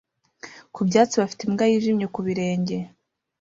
ku byatsi bafite imbwa yijimye ku birenge